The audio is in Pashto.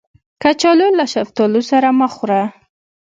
کچالو له شفتالو سره مه خوړه